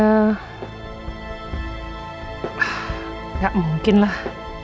enggak mungkin lah